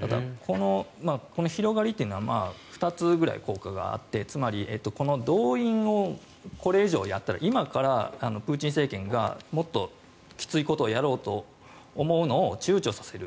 ただ、この広がりというのは２つぐらい効果があってつまり、この動員をこれ以上やったら今からプーチン政権がもっときついことをやろうと思うのを躊躇させる。